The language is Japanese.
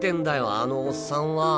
あのおっさんは。